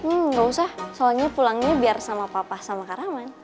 enggak usah soalnya pulangnya biar sama papa sama kak rahman